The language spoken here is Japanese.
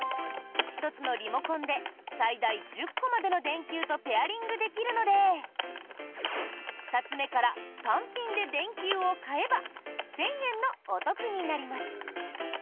１つのリモコンで最大１０個までの電球とペアリングできるので２つ目から単品で電球を買えば１０００円のお得になります。